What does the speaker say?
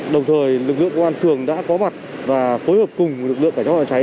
đồng thời lực lượng công an phường đã có mặt và phối hợp cùng lực lượng cảnh sát phòng cháy